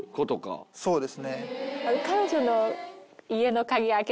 そうですね。